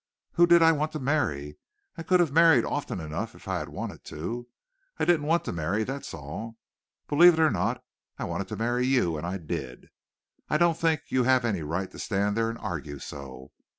Who did I want to marry? I could have married often enough if I had wanted to. I didn't want to marry, that's all. Believe it or not. I wanted to marry you and I did. I don't think you have any right to stand there and argue so.